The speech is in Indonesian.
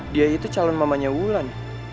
dia itu calon mamanya wulan